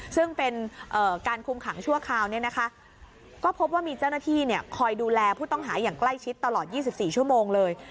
ซึ่งเป็นการคุมขังชั่วคราวเนี่ยนะคะก็พบว่ามีเจ้าหน้าที่คอยดูแลผู้ต้องหาอย่างใกล้ชิดตลอด๒๔ชั่วโมงเลย